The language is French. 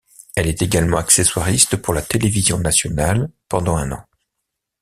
Elle est également accessoiriste pour la télévision nationale pendant un an.